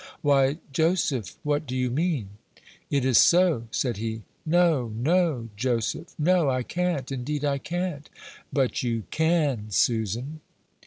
"Why, Joseph, what do you mean?" "It is so," said he. "No, no, Joseph; no, I can't, indeed I can't." "But you can, Susan."